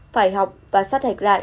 phải học và sát hạch lại